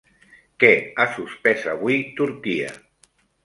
Què ha suspès avui Turquia?